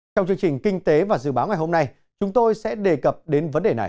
trong chương trình kinh tế và dự báo ngày hôm nay chúng tôi sẽ đề cập đến vấn đề này